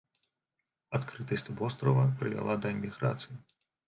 Адкрытасць вострава прывяла да эміграцыі.